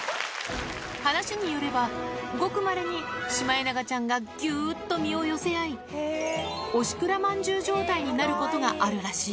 話によれば、ごくまれにシマエナガちゃんがぎゅーっと身を寄せ合い、おしくらまんじゅう状態になることがあるらしい。